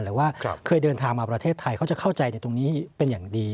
หรือว่าเคยเดินทางมาประเทศไทยเขาจะเข้าใจในตรงนี้เป็นอย่างดี